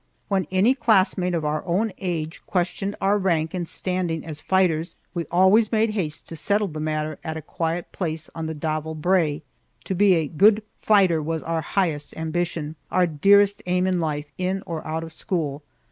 When any classmate of our own age questioned our rank and standing as fighters, we always made haste to settle the matter at a quiet place on the Davel Brae. To be a "gude fechter" was our highest ambition, our dearest aim in life in or out of school.